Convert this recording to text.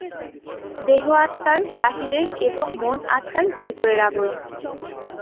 দেহ আত্মার বাহিরের এবং মন আত্মার ভিতরের আবরণ।